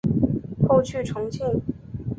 后去重庆。